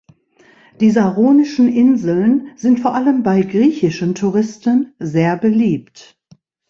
Die Saronischen Inseln sind vor allem bei griechischen Touristen sehr beliebt.